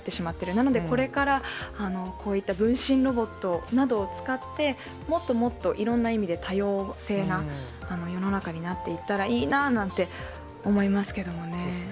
なので、これからこういった分身ロボットなどを使って、もっともっといろんな意味で多様性な世の中になっていったらいいそうですね。